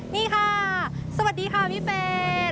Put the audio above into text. นี่ค่ะสวัสดีค่ะพี่เฟส